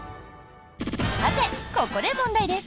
さて、ここで問題です。